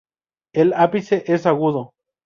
El ápice es agudo.